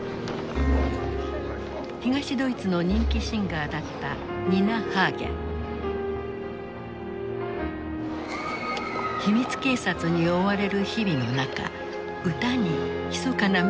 東ドイツの人気シンガーだった秘密警察に追われる日々の中歌にひそかなメッセージを込めた。